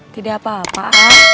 tidak apa apa ah